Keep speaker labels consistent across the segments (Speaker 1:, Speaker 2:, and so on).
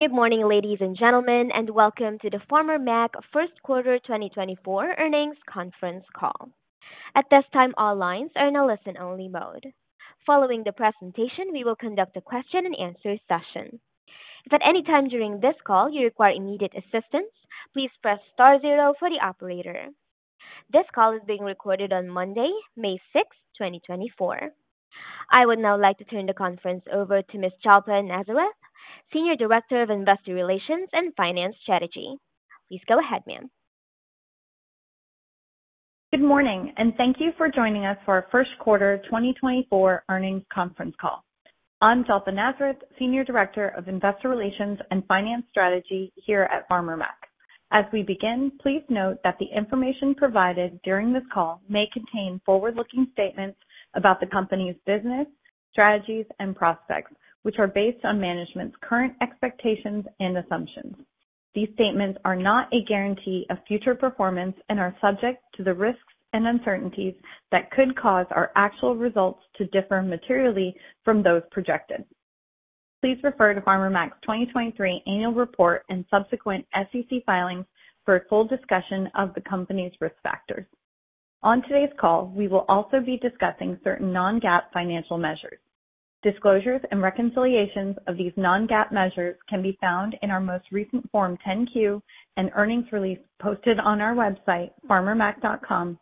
Speaker 1: Good morning, ladies and gentlemen, and welcome to the Farmer Mac first quarter 2024 earnings conference call. At this time, all lines are in a listen-only mode. Following the presentation, we will conduct a question-and-answer session. If at any time during this call you require immediate assistance, please press star zero for the operator. This call is being recorded on Monday, May 6, 2024. I would now like to turn the conference over to Ms. Jalpa Nazareth, Senior Director of Investor Relations and Finance Strategy. Please go ahead, ma'am.
Speaker 2: Good morning, and thank you for joining us for our first quarter 2024 earnings conference call. I'm Jalpa Nazareth, Senior Director of Investor Relations and Finance Strategy here at Farmer Mac. As we begin, please note that the information provided during this call may contain forward-looking statements about the company's business, strategies, and prospects, which are based on management's current expectations and assumptions. These statements are not a guarantee of future performance and are subject to the risks and uncertainties that could cause our actual results to differ materially from those projected. Please refer to Farmer Mac's 2023 Annual Report and subsequent SEC filings for a full discussion of the company's risk factors. On today's call, we will also be discussing certain non-GAAP financial measures. Disclosures and reconciliations of these non-GAAP measures can be found in our most recent Form 10-Q and earnings release posted on our website, farmermac.com,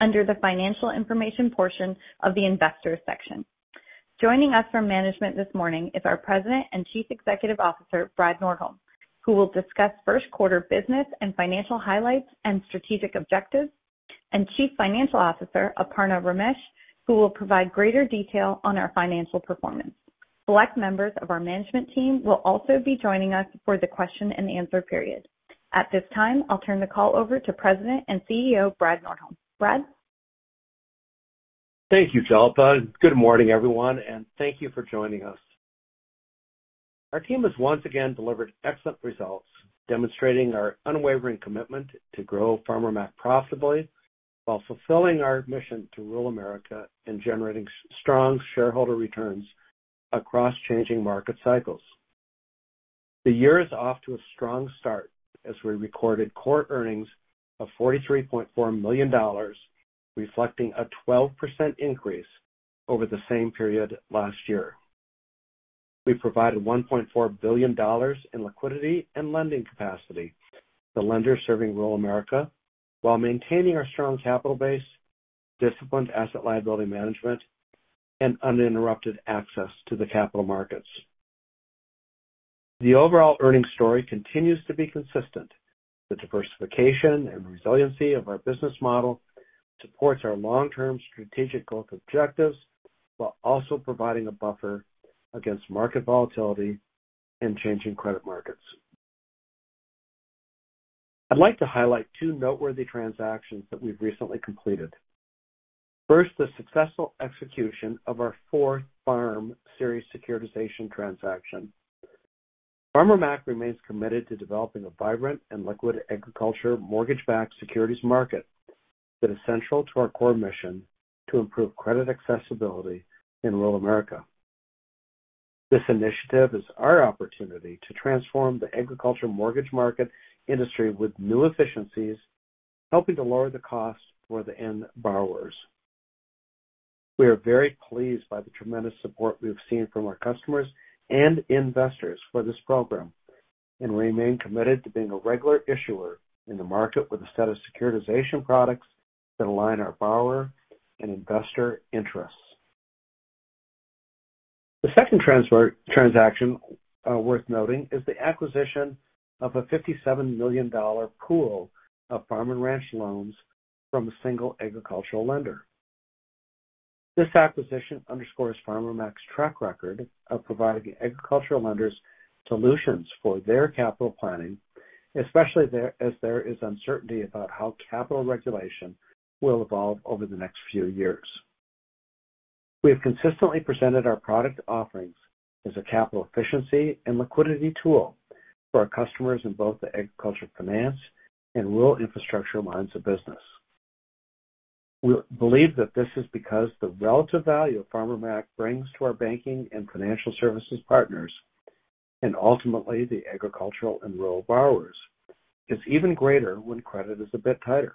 Speaker 2: under the financial information portion of the investors section. Joining us from management this morning is our President and Chief Executive Officer, Brad Nordholm, who will discuss first quarter business and financial highlights and strategic objectives, and Chief Financial Officer, Aparna Ramesh, who will provide greater detail on our financial performance. Select members of our management team will also be joining us for the question and answer period. At this time, I'll turn the call over to President and CEO, Brad Nordholm. Brad?
Speaker 3: Thank you, Jalpa. Good morning, everyone, and thank you for joining us. Our team has once again delivered excellent results, demonstrating our unwavering commitment to grow Farmer Mac profitably while fulfilling our mission to rural America and generating strong shareholder returns across changing market cycles. The year is off to a strong start as we recorded quarter earnings of $43.4 million, reflecting a 12% increase over the same period last year. We provided $1.4 billion in liquidity and lending capacity to lenders serving rural America while maintaining our strong capital base, disciplined asset liability management, and uninterrupted access to the capital markets. The overall earnings story continues to be consistent. The diversification and resiliency of our business model supports our long-term strategic growth objectives while also providing a buffer against market volatility and changing credit markets. I'd like to highlight two noteworthy transactions that we've recently completed. First, the successful execution of our fourth FARM Series securitization transaction. Farmer Mac remains committed to developing a vibrant and liquid agriculture mortgage-backed securities market that is central to our core mission to improve credit accessibility in rural America. This initiative is our opportunity to transform the agriculture mortgage market industry with new efficiencies, helping to lower the cost for the end borrowers. We are very pleased by the tremendous support we've seen from our customers and investors for this program and remain committed to being a regular issuer in the market with a set of securitization products that align our borrower and investor interests. The second transaction worth noting is the acquisition of a $57 million pool of Farm & Ranch loans from a single agricultural lender. This acquisition underscores Farmer Mac's track record of providing agricultural lenders solutions for their capital planning, especially as there is uncertainty about how capital regulation will evolve over the next few years. We have consistently presented our product offerings as a capital efficiency and liquidity tool for our customers in both the agriculture finance and rural infrastructure lines of business. We believe that this is because the relative value Farmer Mac brings to our banking and financial services partners and ultimately the agricultural and rural borrowers is even greater when credit is a bit tighter.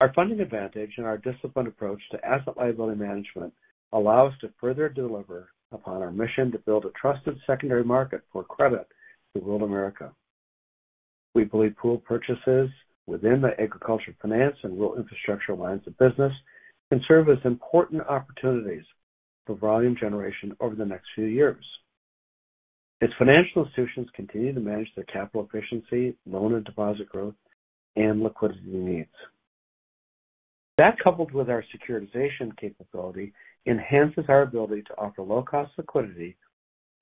Speaker 3: Our funding advantage and our disciplined approach to asset liability management allow us to further deliver upon our mission to build a trusted secondary market for credit to rural America. We believe pool purchases within the agriculture finance and rural infrastructure lines of business can serve as important opportunities for volume generation over the next few years. As financial institutions continue to manage their capital efficiency, loan and deposit growth, and liquidity needs. That, coupled with our securitization capability, enhances our ability to offer low-cost liquidity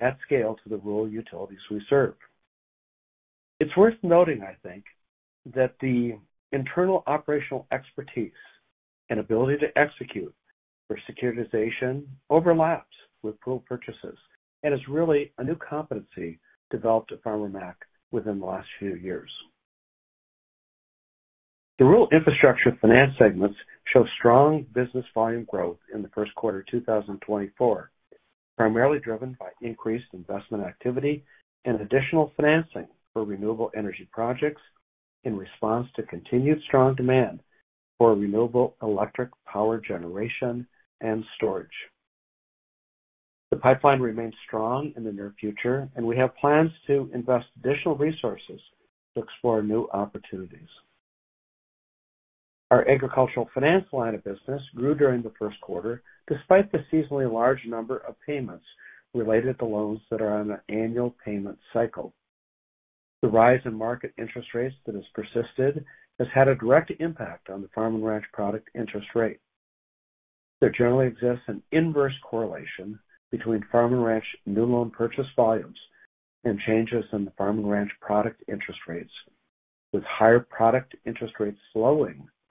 Speaker 3: at scale to the rural utilities we serve. It's worth noting, I think, that the internal operational expertise and ability to execute for securitization overlaps with pool purchases and is really a new competency developed at Farmer Mac within the last few years. The rural infrastructure finance segments show strong business volume growth in the first quarter of 2024, primarily driven by increased investment activity and additional financing for renewable energy projects in response to continued strong demand for renewable electric power generation and storage. The pipeline remains strong in the near future, and we have plans to invest additional resources to explore new opportunities. Our agricultural finance line of business grew during the first quarter despite the seasonally large number of payments related to loans that are on an annual payment cycle. The rise in market interest rates that has persisted has had a direct impact on the Farm & Ranch product interest rate. There generally exists an inverse correlation between Farm & Ranch new loan purchase volumes and changes in the Farm & Ranch product interest rates, with higher product interest rates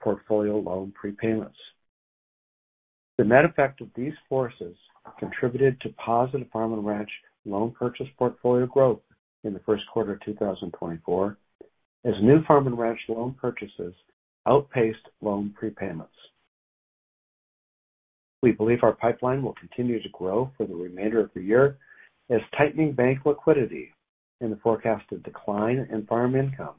Speaker 3: slowing portfolio loan prepayments. The net effect of these forces contributed to positive Farm & Ranch loan purchase portfolio growth in the first quarter of 2024 as new Farm & Ranch loan purchases outpaced loan prepayments. We believe our pipeline will continue to grow for the remainder of the year as tightening bank liquidity and the forecasted decline in farm income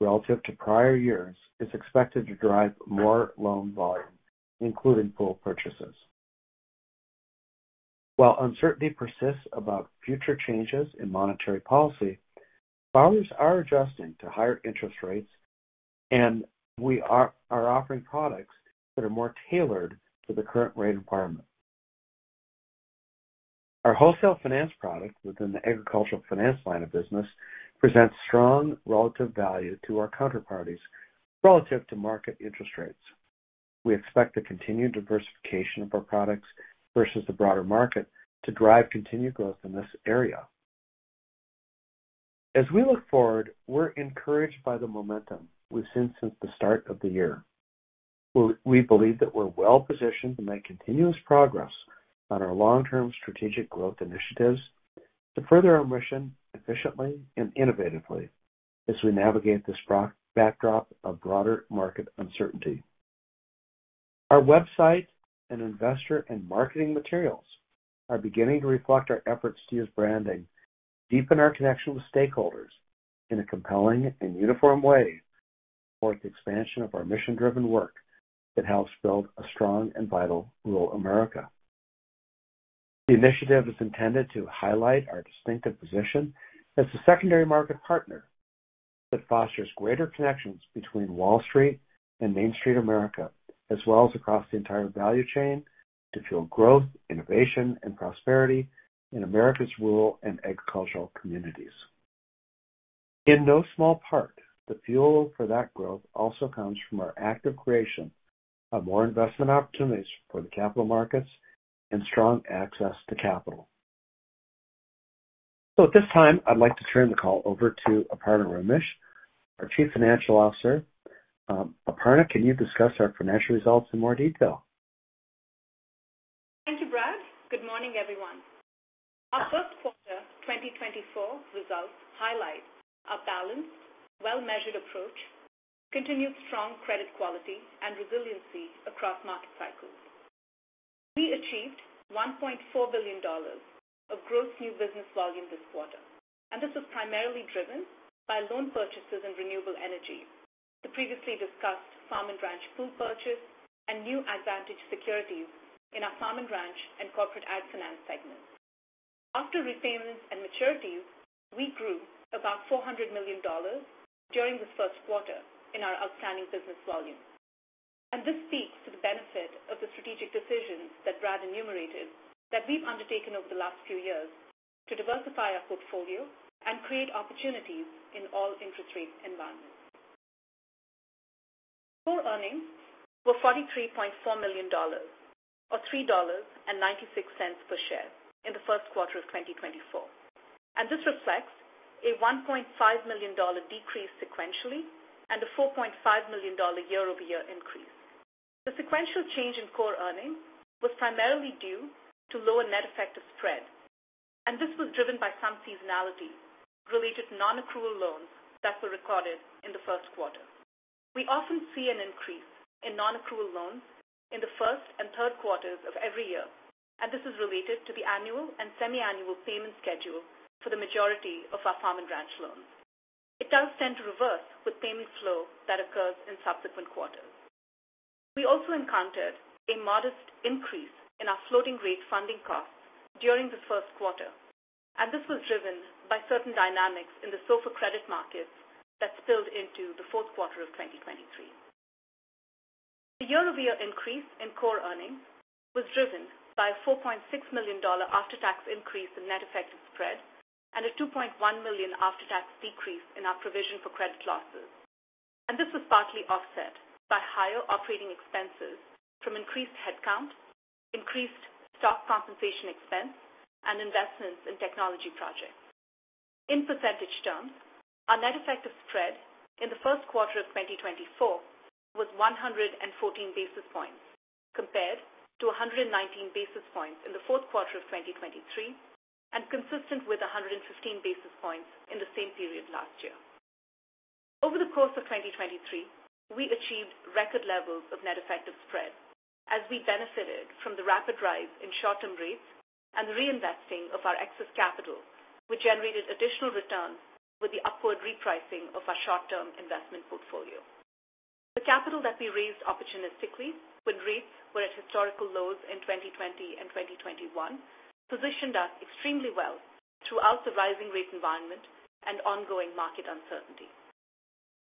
Speaker 3: relative to prior years is expected to drive more loan volume, including pool purchases. While uncertainty persists about future changes in monetary policy, borrowers are adjusting to higher interest rates, and we are offering products that are more tailored to the current rate environment. Our wholesale finance product within the agricultural finance line of business presents strong relative value to our counterparties relative to market interest rates. We expect the continued diversification of our products versus the broader market to drive continued growth in this area. As we look forward, we're encouraged by the momentum we've seen since the start of the year. We believe that we're well positioned to make continuous progress on our long-term strategic growth initiatives to further our mission efficiently and innovatively as we navigate this backdrop of broader market uncertainty. Our website and investor and marketing materials are beginning to reflect our efforts to use branding, deepen our connection with stakeholders in a compelling and uniform way toward the expansion of our mission-driven work that helps build a strong and vital rural America. The initiative is intended to highlight our distinctive position as a secondary market partner that fosters greater connections between Wall Street and Main Street America, as well as across the entire value chain, to fuel growth, innovation, and prosperity in America's rural and agricultural communities. In no small part, the fuel for that growth also comes from our active creation of more investment opportunities for the capital markets and strong access to capital. So at this time, I'd like to turn the call over to Aparna Ramesh, our Chief Financial Officer. Aparna, can you discuss our financial results in more detail?
Speaker 4: Thank you, Brad. Good morning, everyone. Our first quarter 2024 results highlight a balanced, well-measured approach, continued strong credit quality, and resiliency across market cycles. We achieved $1.4 billion of gross new business volume this quarter, and this was primarily driven by loan purchases and renewable energy, the previously discussed Farm & Ranch pool purchase, and new AgVantage securities in our Farm & Ranch and corporate ag finance segments. After repayments and maturities, we grew about $400 million during this first quarter in our outstanding business volume. This speaks to the benefit of the strategic decisions that Brad enumerated that we've undertaken over the last few years to diversify our portfolio and create opportunities in all interest rate environments. Core earnings were $43.4 million, or $3.96 per share, in the first quarter of 2024, and this reflects a $1.5 million decrease sequentially and a $4.5 million year-over-year increase. The sequential change in core earnings was primarily due to lower net effective spread, and this was driven by some seasonality-related non-accrual loans that were recorded in the first quarter. We often see an increase in non-accrual loans in the first and third quarters of every year, and this is related to the annual and semi-annual payment schedule for the majority of our Farm & Ranch loans. It does tend to reverse with payment flow that occurs in subsequent quarters. We also encountered a modest increase in our floating-rate funding costs during this first quarter, and this was driven by certain dynamics in the SOFR credit markets that spilled into the fourth quarter of 2023. The year-over-year increase in core earnings was driven by a $4.6 million after-tax increase in net effective spread and a $2.1 million after-tax decrease in our provision for credit losses, and this was partly offset by higher operating expenses from increased headcount, increased stock compensation expense, and investments in technology projects. In percentage terms, our net effective spread in the first quarter of 2024 was 114 basis points compared to 119 basis points in the fourth quarter of 2023 and consistent with 115 basis points in the same period last year. Over the course of 2023, we achieved record levels of net effective spread as we benefited from the rapid rise in short-term rates and the reinvesting of our excess capital, which generated additional returns with the upward repricing of our short-term investment portfolio. The capital that we raised opportunistically when rates were at historical lows in 2020 and 2021 positioned us extremely well throughout the rising rate environment and ongoing market uncertainty.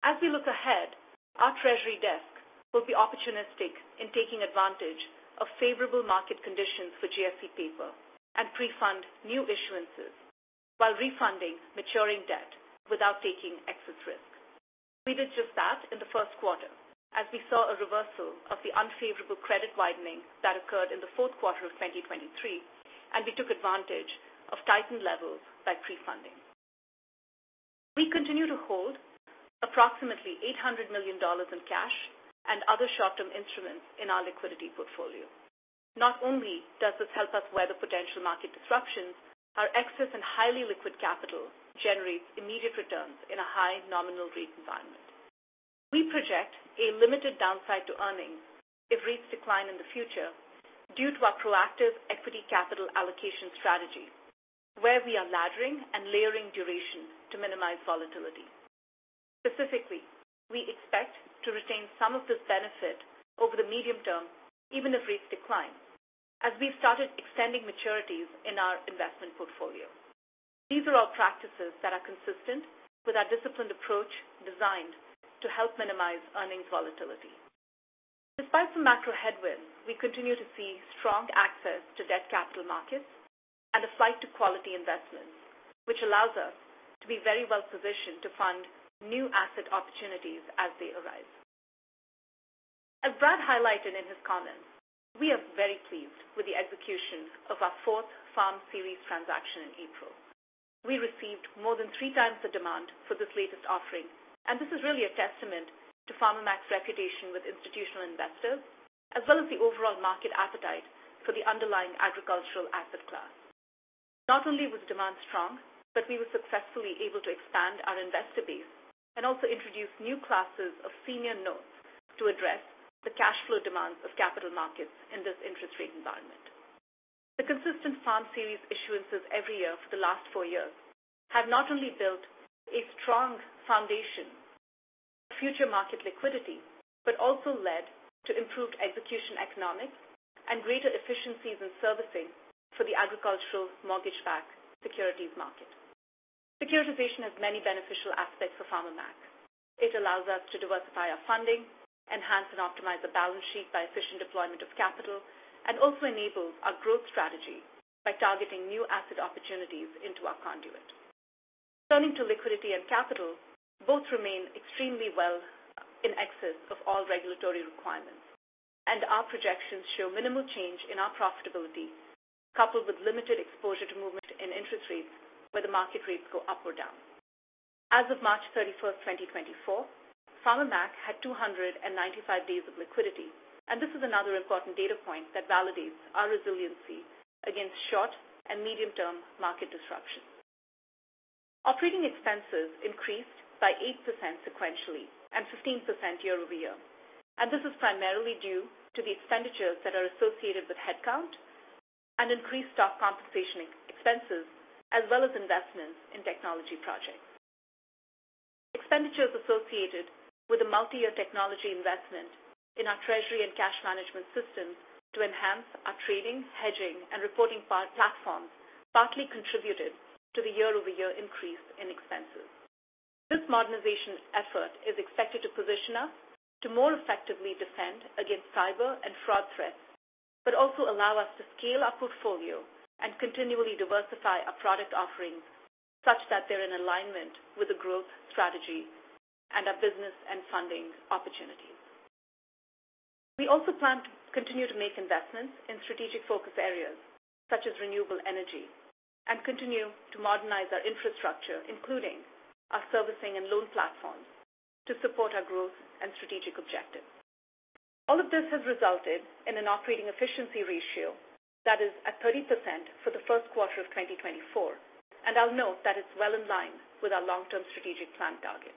Speaker 4: As we look ahead, our treasury desk will be opportunistic in taking advantage of favorable market conditions for GSE paper and pre-fund new issuances while refunding maturing debt without taking excess risk. We did just that in the first quarter as we saw a reversal of the unfavorable credit widening that occurred in the fourth quarter of 2023, and we took advantage of tightened levels by pre-funding. We continue to hold approximately $800 million in cash and other short-term instruments in our liquidity portfolio. Not only does this help us weather potential market disruptions, our excess and highly liquid capital generates immediate returns in a high nominal rate environment. We project a limited downside to earnings if rates decline in the future due to our proactive equity capital allocation strategy, where we are laddering and layering duration to minimize volatility. Specifically, we expect to retain some of this benefit over the medium term even if rates decline as we've started extending maturities in our investment portfolio. These are all practices that are consistent with our disciplined approach designed to help minimize earnings volatility. Despite some macro headwinds, we continue to see strong access to debt capital markets and a flight to quality investments, which allows us to be very well positioned to fund new asset opportunities as they arise. As Brad highlighted in his comments, we are very pleased with the execution of our fourth FARM Series transaction in April. We received more than 3x the demand for this latest offering, and this is really a testament to Farmer Mac's reputation with institutional investors as well as the overall market appetite for the underlying agricultural asset class. Not only was demand strong, but we were successfully able to expand our investor base and also introduce new classes of senior notes to address the cash flow demands of capital markets in this interest rate environment. The consistent FARM Series issuances every year for the last four years have not only built a strong foundation for future market liquidity but also led to improved execution economics and greater efficiencies in servicing for the agricultural mortgage-backed securities market. Securitization has many beneficial aspects for Farmer Mac. It allows us to diversify our funding, enhance and optimize the balance sheet by efficient deployment of capital, and also enables our growth strategy by targeting new asset opportunities into our conduit. Turning to liquidity and capital, both remain extremely well in excess of all regulatory requirements, and our projections show minimal change in our profitability coupled with limited exposure to movement in interest rates where the market rates go up or down. As of March 31st, 2024, Farmer Mac had 295 days of liquidity, and this is another important data point that validates our resiliency against short and medium-term market disruptions. Operating expenses increased by 8% sequentially and 15% year-over-year, and this is primarily due to the expenditures that are associated with headcount and increased stock compensation expenses as well as investments in technology projects. Expenditures associated with a multi-year technology investment in our treasury and cash management systems to enhance our trading, hedging, and reporting platforms partly contributed to the year-over-year increase in expenses. This modernization effort is expected to position us to more effectively defend against cyber and fraud threats but also allow us to scale our portfolio and continually diversify our product offerings such that they're in alignment with the growth strategy and our business and funding opportunities. We also plan to continue to make investments in strategic focus areas such as renewable energy and continue to modernize our infrastructure, including our servicing and loan platforms, to support our growth and strategic objectives. All of this has resulted in an operating efficiency ratio that is at 30% for the first quarter of 2024, and I'll note that it's well in line with our long-term strategic plan target.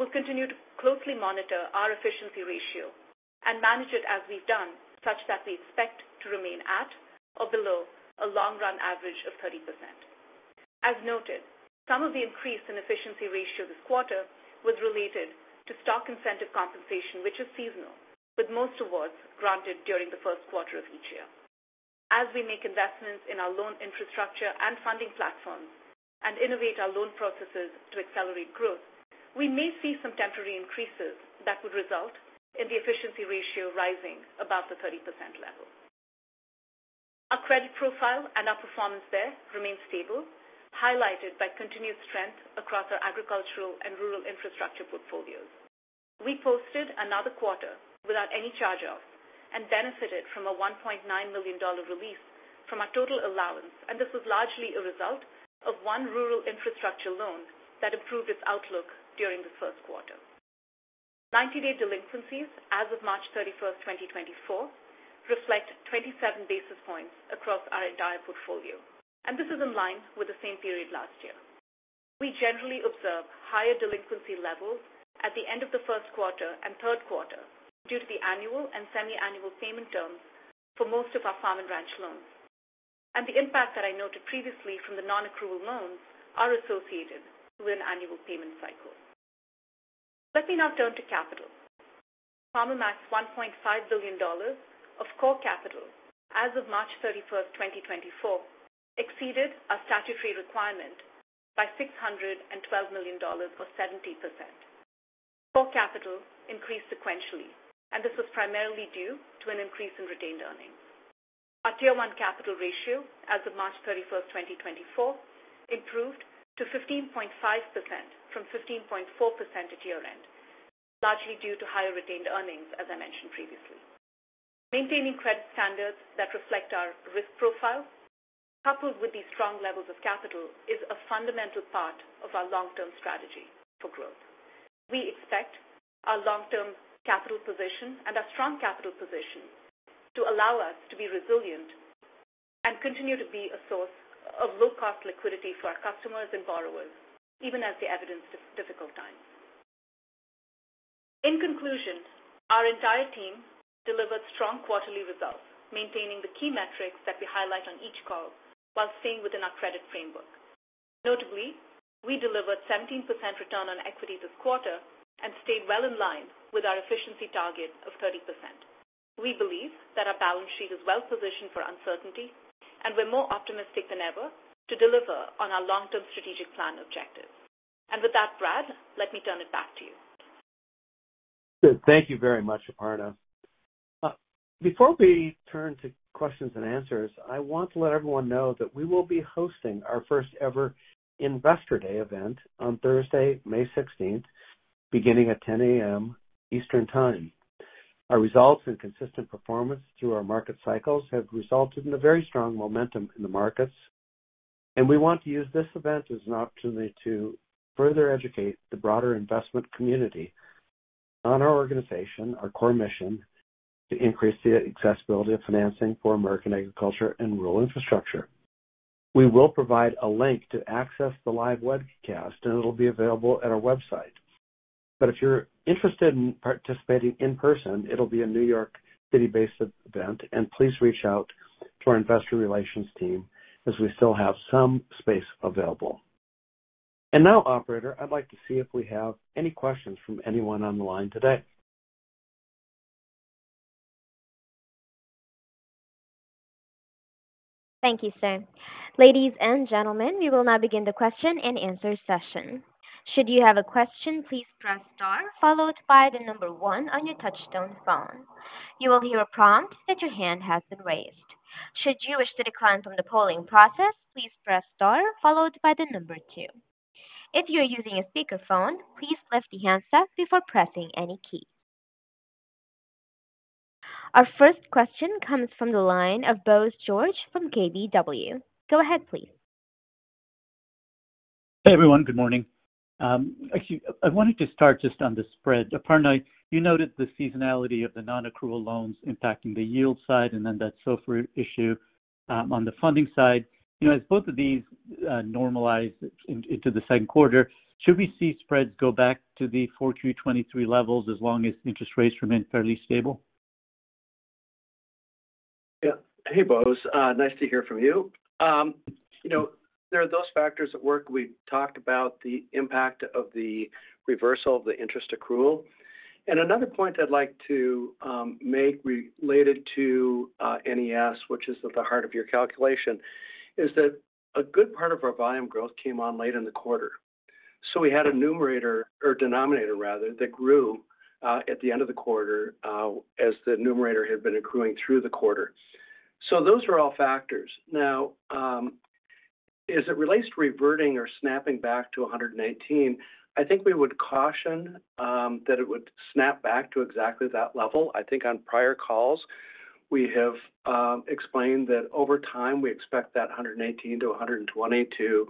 Speaker 4: We'll continue to closely monitor our efficiency ratio and manage it as we've done such that we expect to remain at or below a long-run average of 30%. As noted, some of the increase in efficiency ratio this quarter was related to stock incentive compensation, which is seasonal, with most awards granted during the first quarter of each year. As we make investments in our loan infrastructure and funding platforms and innovate our loan processes to accelerate growth, we may see some temporary increases that would result in the efficiency ratio rising above the 30% level. Our credit profile and our performance there remain stable, highlighted by continued strength across our agricultural and rural infrastructure portfolios. We posted another quarter without any charge-offs and benefited from a $1.9 million release from our total allowance, and this was largely a result of one rural infrastructure loan that improved its outlook during this first quarter. 90-day delinquencies as of March 31st, 2024, reflect 27 basis points across our entire portfolio, and this is in line with the same period last year. We generally observe higher delinquency levels at the end of the first quarter and third quarter due to the annual and semi-annual payment terms for most of our Farm & Ranch loans, and the impact that I noted previously from the non-accrual loans are associated with an annual payment cycle. Let me now turn to capital. Farmer Mac's $1.5 billion of core capital as of March 31st, 2024, exceeded our statutory requirement by $612 million, or 70%.. Core capital increased sequentially, and this was primarily due to an increase in retained earnings. Our Tier 1 capital ratio as of March 31st, 2024, improved to 15.5% from 15.4% at year-end, largely due to higher retained earnings, as I mentioned previously. Maintaining credit standards that reflect our risk profile coupled with these strong levels of capital is a fundamental part of our long-term strategy for growth. We expect our long-term capital position and our strong capital position to allow us to be resilient and continue to be a source of low-cost liquidity for our customers and borrowers even as they evidence difficult times. In conclusion, our entire team delivered strong quarterly results, maintaining the key metrics that we highlight on each call while staying within our credit framework. Notably, we delivered 17% return on equity this quarter and stayed well in line with our efficiency target of 30%. We believe that our balance sheet is well positioned for uncertainty, and we're more optimistic than ever to deliver on our long-term strategic plan objectives. With that, Brad, let me turn it back to you.
Speaker 3: Good. Thank you very much, Aparna. Before we turn to questions and answers, I want to let everyone know that we will be hosting our first-ever Investor Day event on Thursday, May 16th, beginning at 10:00 A.M. Eastern Time. Our results and consistent performance through our market cycles have resulted in a very strong momentum in the markets, and we want to use this event as an opportunity to further educate the broader investment community on our organization, our core mission to increase the accessibility of financing for American agriculture and rural infrastructure. We will provide a link to access the live webcast, and it'll be available at our website. But if you're interested in participating in person, it'll be a New York City-based event, and please reach out to our investor relations team as we still have some space available. Now, operator, I'd like to see if we have any questions from anyone on the line today.
Speaker 1: Thank you, sir. Ladies and gentlemen, we will now begin the question and answer session. Should you have a question, please press star followed by the number one on your touch-tone phone. You will hear a prompt that your hand has been raised. Should you wish to decline from the polling process, please press star followed by the number two. If you are using a speakerphone, please lift the handset up before pressing any key. Our first question comes from the line of Bose George from KBW. Go ahead, please.
Speaker 5: Hey, everyone. Good morning. Actually, I wanted to start just on the spread. Aparna, you noted the seasonality of the non-accrual loans impacting the yield side and then that SOFR issue on the funding side. As both of these normalize into the second quarter, should we see spreads go back to the 4Q 2023 levels as long as interest rates remain fairly stable?
Speaker 3: Yeah. Hey, Bose. Nice to hear from you. There are those factors at work. We've talked about the impact of the reversal of the interest accrual. And another point I'd like to make related to NES, which is at the heart of your calculation, is that a good part of our volume growth came on late in the quarter. So we had a numerator, or denominator rather, that grew at the end of the quarter as the numerator had been accruing through the quarter. So those are all factors. Now, as it relates to reverting or snapping back to 119, I think we would caution that it would snap back to exactly that level. I think on prior calls, we have explained that over time, we expect that 118-120 to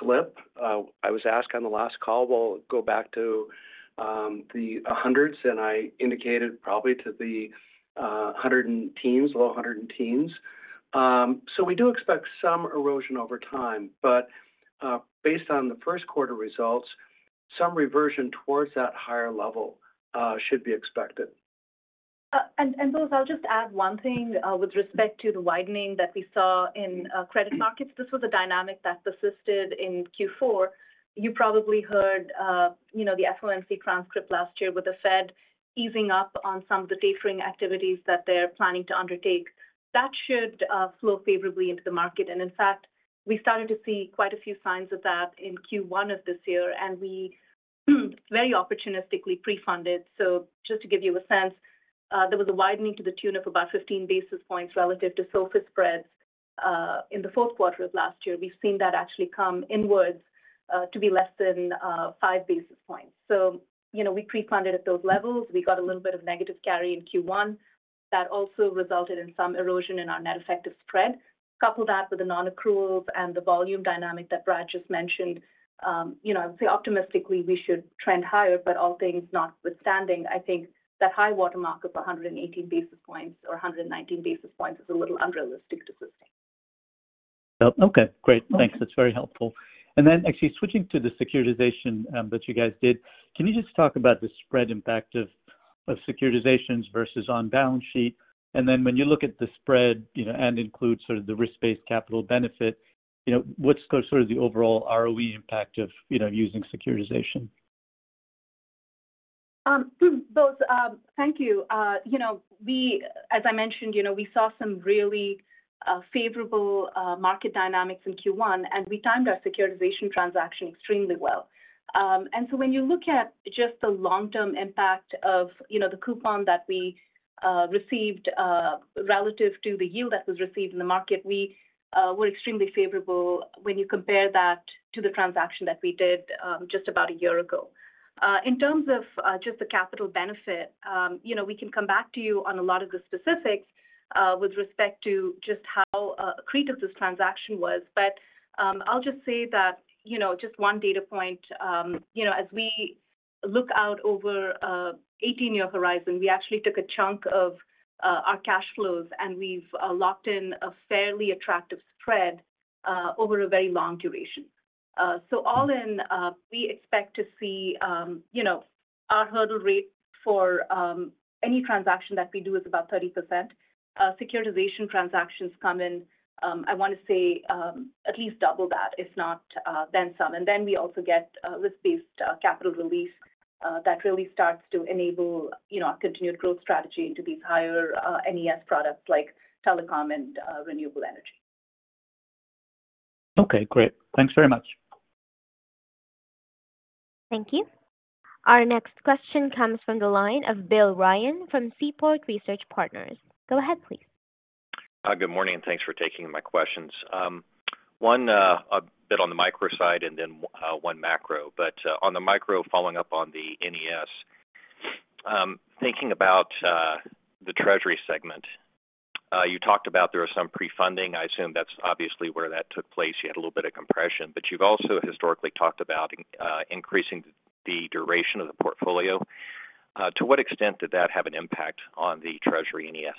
Speaker 3: slip. I was asked on the last call, "We'll go back to the hundreds?" and I indicated probably to the hundred-teens, low hundred-teens. So we do expect some erosion over time, but based on the first quarter results, some reversion towards that higher level should be expected.
Speaker 4: And Bose, I'll just add one thing with respect to the widening that we saw in credit markets. This was a dynamic that persisted in Q4. You probably heard the FOMC transcript last year with the Fed easing up on some of the tapering activities that they're planning to undertake. That should flow favorably into the market. And in fact, we started to see quite a few signs of that in Q1 of this year, and we very opportunistically pre-funded. So just to give you a sense, there was a widening to the tune of about 15 basis points relative to SOFR spreads in the fourth quarter of last year. We've seen that actually come inwards to be less than 5 basis points. So we pre-funded at those levels. We got a little bit of negative carry in Q1. That also resulted in some erosion in our net effective spread. Couple that with the non-accruals and the volume dynamic that Brad just mentioned, I would say optimistically we should trend higher, but all things notwithstanding, I think that high watermark of 118 basis points or 119 basis points is a little unrealistic to sustain.
Speaker 5: Yep. Okay. Great. Thanks. That's very helpful. And then actually switching to the securitization that you guys did, can you just talk about the spread impact of securitizations versus on balance sheet? And then when you look at the spread and include sort of the risk-based capital benefit, what's sort of the overall ROE impact of using securitization?
Speaker 4: Bose, thank you. As I mentioned, we saw some really favorable market dynamics in Q1, and we timed our securitization transaction extremely well. So when you look at just the long-term impact of the coupon that we received relative to the yield that was received in the market, we were extremely favorable when you compare that to the transaction that we did just about a year ago. In terms of just the capital benefit, we can come back to you on a lot of the specifics with respect to just how accretive this transaction was. But I'll just say that just one data point, as we look out over an 18-year horizon, we actually took a chunk of our cash flows, and we've locked in a fairly attractive spread over a very long duration. So all in, we expect to see our hurdle rate for any transaction that we do is about 30%. Securitization transactions come in, I want to say, at least double that, if not then some. And then we also get risk-based capital release that really starts to enable our continued growth strategy into these higher NES products like telecom and renewable energy.
Speaker 5: Okay. Great. Thanks very much.
Speaker 1: Thank you. Our next question comes from the line of Bill Ryan from Seaport Research Partners. Go ahead, please.
Speaker 6: Good morning, and thanks for taking my questions. One bit on the micro side and then one macro. But on the micro, following up on the NES, thinking about the treasury segment, you talked about there was some pre-funding. I assume that's obviously where that took place. You had a little bit of compression. But you've also historically talked about increasing the duration of the portfolio. To what extent did that have an impact on the treasury NES?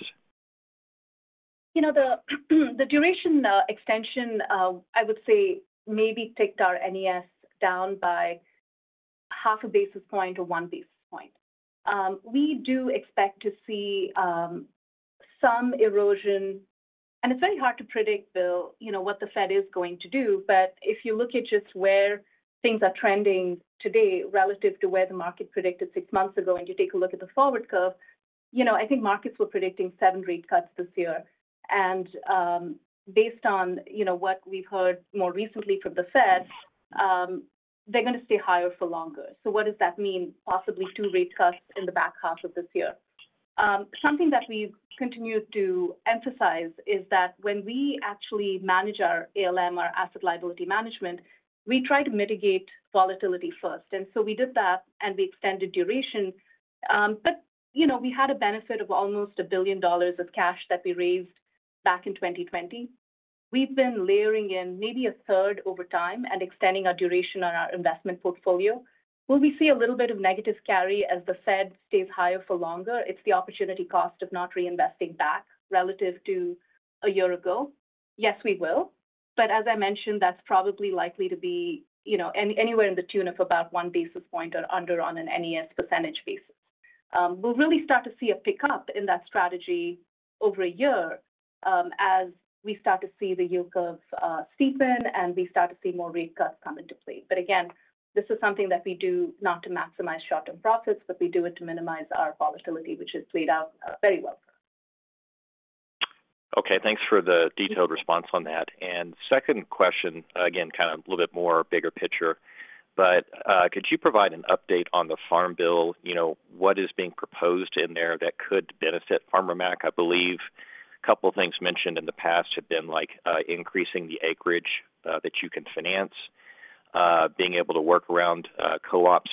Speaker 4: The duration extension, I would say, maybe ticked our NES down by 0.5 basis point or 1 basis point. We do expect to see some erosion. It's very hard to predict, Bill, what the Fed is going to do. If you look at just where things are trending today relative to where the market predicted six months ago, and you take a look at the forward curve, I think markets were predicting seven rate cuts this year. Based on what we've heard more recently from the Fed, they're going to stay higher for longer. What does that mean? Possibly two rate cuts in the back half of this year. Something that we continue to emphasize is that when we actually manage our ALM, our asset liability management, we try to mitigate volatility first. And so we did that, and we extended duration. But we had a benefit of almost $1 billion of cash that we raised back in 2020. We've been layering in maybe a third over time and extending our duration on our investment portfolio. Will we see a little bit of negative carry as the Fed stays higher for longer? It's the opportunity cost of not reinvesting back relative to a year ago. Yes, we will. But as I mentioned, that's probably likely to be anywhere in the tune of about one basis point or under on an NES percentage basis. We'll really start to see a pickup in that strategy over a year as we start to see the yield curve steepen and we start to see more rate cuts come into play. But again, this is something that we do it not to maximize short-term profits, but we do it to minimize our volatility, which has played out very well for us.
Speaker 6: Okay. Thanks for the detailed response on that. And second question, again, kind of a little bit more bigger picture. But could you provide an update on the Farm Bill? What is being proposed in there that could benefit Farmer Mac? I believe a couple of things mentioned in the past have been increasing the acreage that you can finance, being able to work around co-ops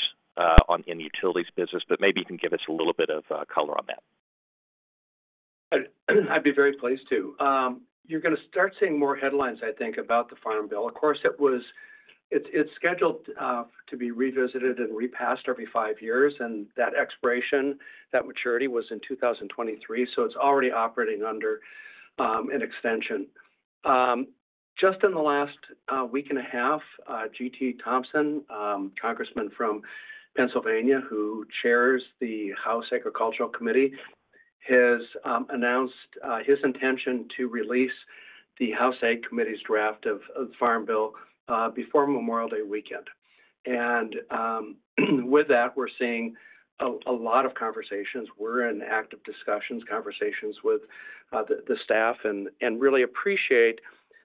Speaker 6: in the utilities business. But maybe you can give us a little bit of color on that.
Speaker 3: I'd be very pleased to. You're going to start seeing more headlines, I think, about the Farm Bill. Of course, it's scheduled to be revisited and repassed every five years, and that expiration, that maturity was in 2023. So it's already operating under an extension. Just in the last week and a half, GT Thompson, Congressman from Pennsylvania who chairs the House Agriculture Committee, has announced his intention to release the House Ag Committee's draft of the Farm Bill before Memorial Day weekend. And with that, we're seeing a lot of conversations. We're in active discussions, conversations with the staff, and really appreciate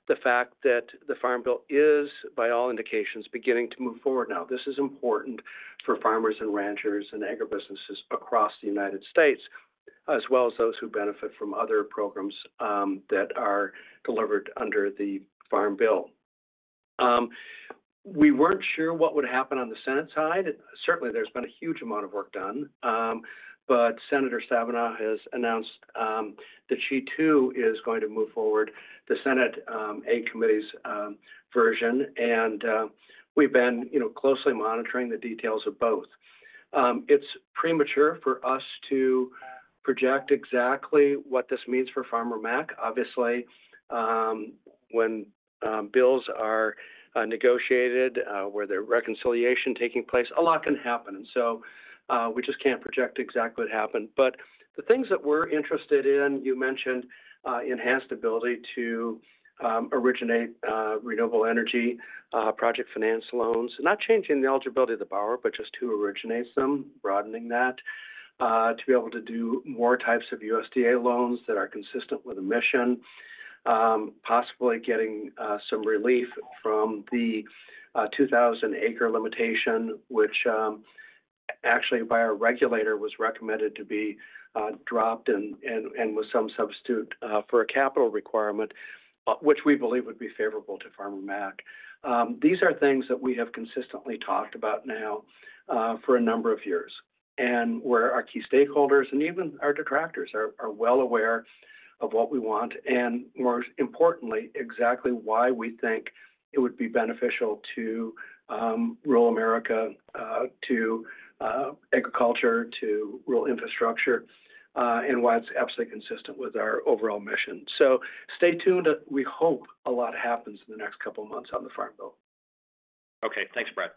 Speaker 3: the fact that the Farm Bill is, by all indications, beginning to move forward now. This is important for farmers and ranchers and agribusinesses across the United States, as well as those who benefit from other programs that are delivered under the Farm Bill. We weren't sure what would happen on the Senate side. Certainly, there's been a huge amount of work done. But Senator Stabenow has announced that she, too, is going to move forward the Senate Ag Committee's version. And we've been closely monitoring the details of both. It's premature for us to project exactly what this means for Farmer Mac. Obviously, when bills are negotiated, where they're reconciliation taking place, a lot can happen. And so we just can't project exactly what happened. But the things that we're interested in, you mentioned enhanced ability to originate renewable energy, project finance loans, not changing the eligibility of the borrower, but just who originates them, broadening that, to be able to do more types of USDA loans that are consistent with emission, possibly getting some relief from the 2,000 acre limitation, which actually by our regulator was recommended to be dropped and with some substitute for a capital requirement, which we believe would be favorable to Farmer Mac. These are things that we have consistently talked about now for a number of years and where our key stakeholders and even our detractors are well aware of what we want and, more importantly, exactly why we think it would be beneficial to rural America, to agriculture, to rural infrastructure, and why it's absolutely consistent with our overall mission. So stay tuned. We hope a lot happens in the next couple of months on the Farm Bill.
Speaker 6: Okay. Thanks, Brad.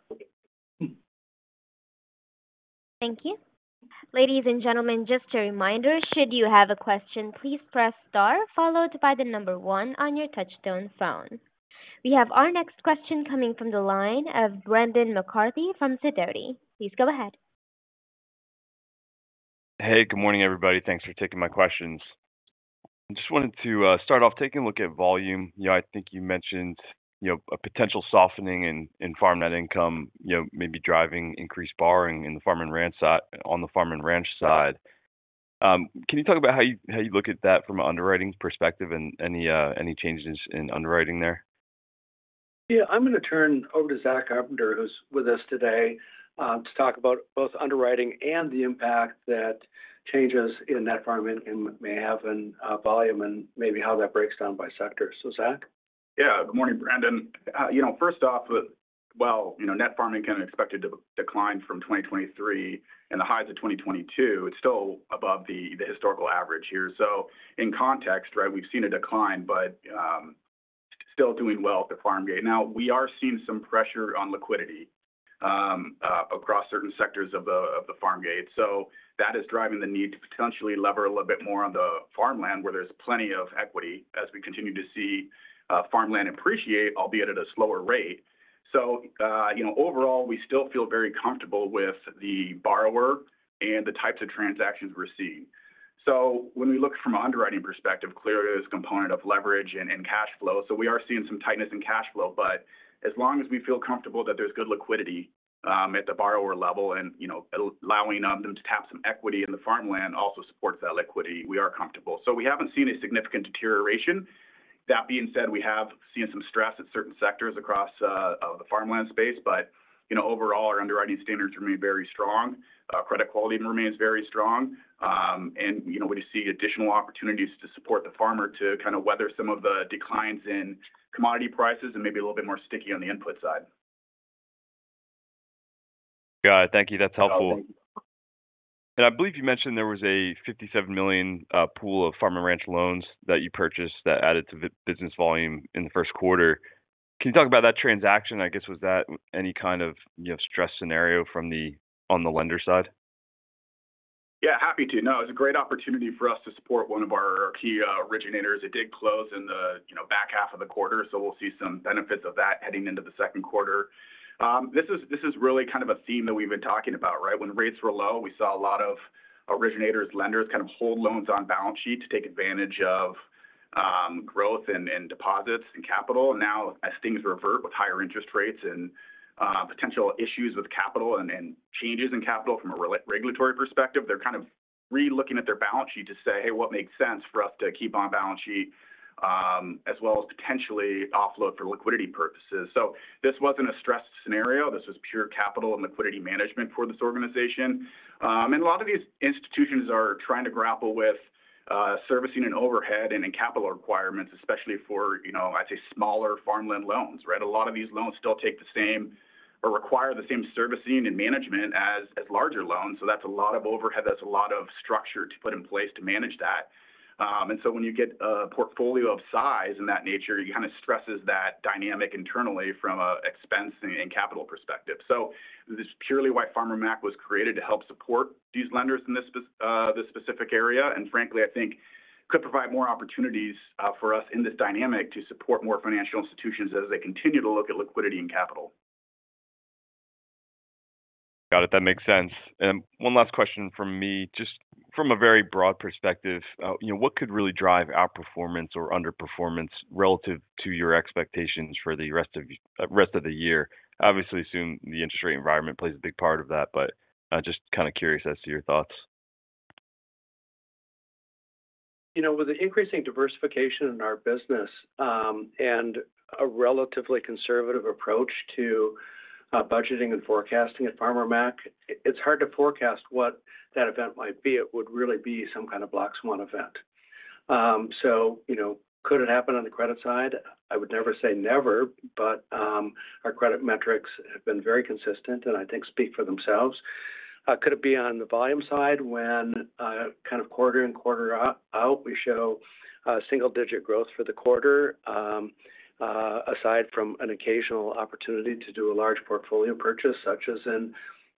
Speaker 1: Thank you. Ladies and gentlemen, just a reminder, should you have a question, please press star followed by the number one on your touch-tone phone. We have our next question coming from the line of Brendan McCarthy from Sidoti. Please go ahead.
Speaker 7: Hey, good morning, everybody. Thanks for taking my questions. I just wanted to start off taking a look at volume. I think you mentioned a potential softening in farm net income, maybe driving increased borrowing in the Farm & Ranch side. Can you talk about how you look at that from an underwriting perspective and any changes in underwriting there?
Speaker 3: Yeah. I'm going to turn over to Zack Carpenter, who's with us today, to talk about both underwriting and the impact that changes in net farming may have in volume and maybe how that breaks down by sector. So, Zack?
Speaker 8: Yeah. Good morning, Brendan. First off, while net farm income can expect to decline from 2023 and the highs of 2022, it's still above the historical average here. So in context, right, we've seen a decline, but still doing well at the farm gate. Now, we are seeing some pressure on liquidity across certain sectors of the farm gate. So that is driving the need to potentially leverage a little bit more on the farmland where there's plenty of equity as we continue to see farmland appreciate, albeit at a slower rate. So overall, we still feel very comfortable with the borrower and the types of transactions we're seeing. So when we look from an underwriting perspective, clearly there's a component of leverage and cash flow. So we are seeing some tightness in cash flow, but as long as we feel comfortable that there's good liquidity at the borrower level and allowing them to tap some equity in the farmland also supports that liquidity. We are comfortable. So we haven't seen a significant deterioration. That being said, we have seen some stress at certain sectors across the farmland space. But overall, our underwriting standards remain very strong. Credit quality remains very strong. And we just see additional opportunities to support the farmer to kind of weather some of the declines in commodity prices and maybe a little bit more sticky on the input side.
Speaker 7: Got it. Thank you. That's helpful. And I believe you mentioned there was a $57 million pool of Farm & Ranch loans that you purchased that added to business volume in the first quarter. Can you talk about that transaction? I guess was that any kind of stress scenario on the lender side?
Speaker 8: Yeah, happy to. No, it was a great opportunity for us to support one of our key originators. It did close in the back half of the quarter. So we'll see some benefits of that heading into the second quarter. This is really kind of a theme that we've been talking about, right? When rates were low, we saw a lot of originators, lenders kind of hold loans on balance sheet to take advantage of growth and deposits and capital. Now, as things revert with higher interest rates and potential issues with capital and changes in capital from a regulatory perspective, they're kind of relooking at their balance sheet to say, "Hey, what makes sense for us to keep on balance sheet, as well as potentially offload for liquidity purposes?" So this wasn't a stressed scenario. This was pure capital and liquidity management for this organization. A lot of these institutions are trying to grapple with servicing and overhead and capital requirements, especially for, I'd say, smaller farmland loans, right? A lot of these loans still take the same or require the same servicing and management as larger loans. So that's a lot of overhead. That's a lot of structure to put in place to manage that. And so when you get a portfolio of size and that nature, it kind of stresses that dynamic internally from an expense and capital perspective. So this is purely why Farmer Mac was created to help support these lenders in this specific area and, frankly, I think could provide more opportunities for us in this dynamic to support more financial institutions as they continue to look at liquidity and capital.
Speaker 7: Got it. That makes sense. One last question from me, just from a very broad perspective, what could really drive outperformance or underperformance relative to your expectations for the rest of the year? Obviously, assume the interest rate environment plays a big part of that, but just kind of curious as to your thoughts.
Speaker 3: With the increasing diversification in our business and a relatively conservative approach to budgeting and forecasting at Farmer Mac, it's hard to forecast what that event might be. It would really be some kind of black swan event. So could it happen on the credit side? I would never say never, but our credit metrics have been very consistent and I think speak for themselves. Could it be on the volume side when kind of quarter-over-quarter, we show single-digit growth for the quarter, aside from an occasional opportunity to do a large portfolio purchase, such as in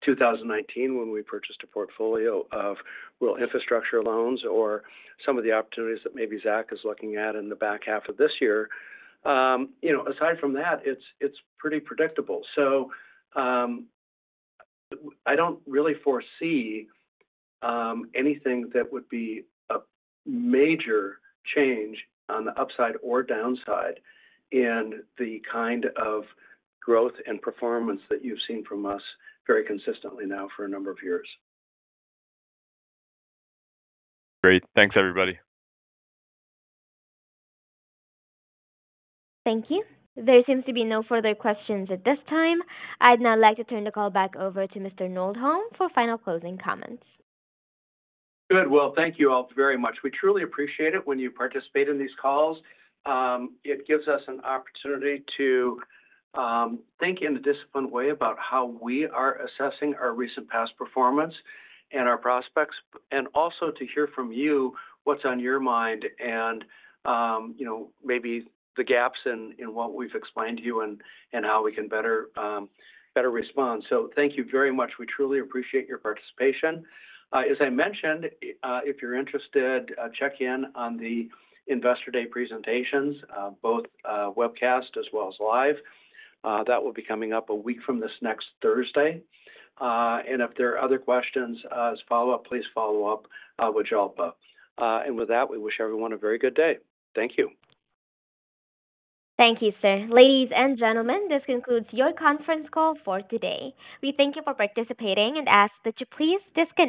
Speaker 3: 2019 when we purchased a portfolio of rural infrastructure loans or some of the opportunities that maybe Zack is looking at in the back half of this year? Aside from that, it's pretty predictable. I don't really foresee anything that would be a major change on the upside or downside in the kind of growth and performance that you've seen from us very consistently now for a number of years.
Speaker 7: Great. Thanks, everybody.
Speaker 1: Thank you. There seems to be no further questions at this time. I'd now like to turn the call back over to Mr. Nordholm for final closing comments.
Speaker 3: Good. Well, thank you all very much. We truly appreciate it when you participate in these calls. It gives us an opportunity to think in a disciplined way about how we are assessing our recent past performance and our prospects, and also to hear from you what's on your mind and maybe the gaps in what we've explained to you and how we can better respond. So thank you very much. We truly appreciate your participation. As I mentioned, if you're interested, check in on the Investor Day presentations, both webcast as well as live. That will be coming up a week from this next Thursday. And if there are other questions as follow-up, please follow up with Jalpa. And with that, we wish everyone a very good day. Thank you.
Speaker 1: Thank you, sir. Ladies and gentlemen, this concludes your conference call for today. We thank you for participating and ask that you please disconnect.